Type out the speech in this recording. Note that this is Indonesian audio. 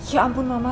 ya ampun mama